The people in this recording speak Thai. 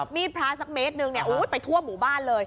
มีดพล้าสักเมตรนึงอุ๊ยไปทั่วหมู่บ้านเลย